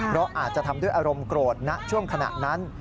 เพราะอาจจะทำด้วยอารมณ์โกรธณช่วงขณะนั้น